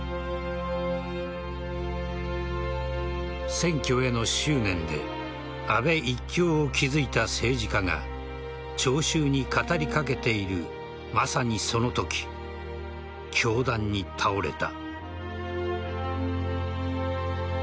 選挙への執念で安倍一強を築いた政治家が聴衆に語り掛けているまさにそのとき凶弾に倒れた。